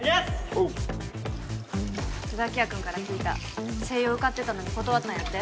おう椿谷くんから聞いた星葉受かってたのに断ったんやって？